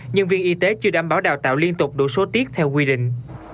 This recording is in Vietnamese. nhân viên y tế chưa đảm bảo đào tạo liên tục đủ số tiết theo quy định